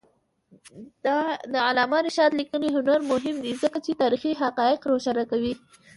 د علامه رشاد لیکنی هنر مهم دی ځکه چې تاریخي حقایق روښانه کوي.